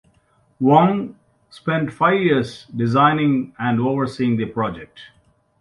Wong spent five years designing and overseeing the project.